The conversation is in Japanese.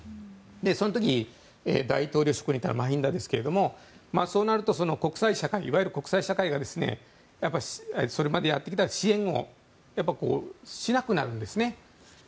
その時、大統領職にいたマヒンダですがそうなると、いわゆる国際社会がそれまでやってきた支援をしなくなるんですね。